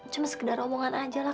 cuma sekedar omongan aja lah